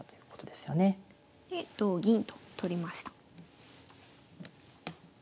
で同銀と取りました。